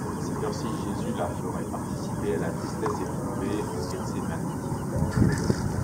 À cette heure-ci, Jésus la ferait participer à la tristesse éprouvée au Gethsémani.